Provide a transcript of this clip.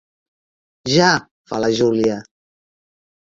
Ja –fa la Júlia.